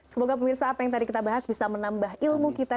semoga pemirsa apa yang tadi kita bahas bisa menambah ilmu kita